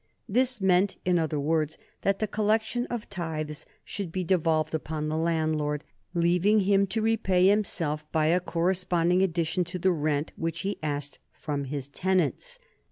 This meant, in other words, that the collection of tithes should be devolved upon the landlord, leaving him to repay himself by a corresponding addition to the rent which he asked from his tenants.